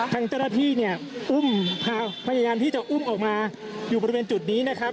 ทางจรภีเนี่ยพยายามที่จะอุ้มออกมาอยู่บริเวณจุดนี้นะครับ